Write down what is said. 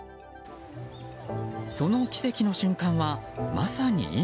その奇跡の瞬間は、まさに今。